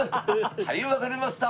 はいわかりました！」